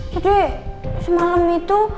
jadi semalam itu